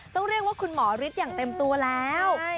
ต้องเรียกว่าคุณหมอฤทธิ์อย่างเต็มตัวแล้ว